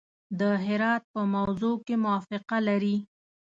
د هرات په موضوع کې موافقه لري.